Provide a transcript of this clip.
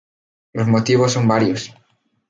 Los motivos son varios.